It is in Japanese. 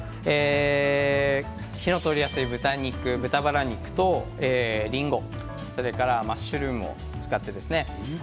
火の通りやすい豚バラ肉とりんご、それからマッシュルームを使ってですね